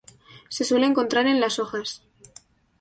Se suele encontrar en las hojas.